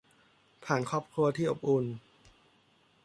ผ่านครอบครัวที่อบอุ่น